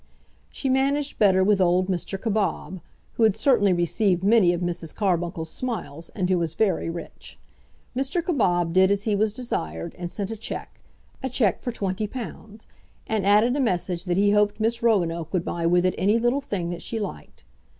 She managed better with old Mr. Cabob, who had certainly received many of Mrs. Carbuncle's smiles, and who was very rich. Mr. Cabob did as he was desired, and sent a cheque, a cheque for £20; and added a message that he hoped Miss Roanoke would buy with it any little thing that she liked.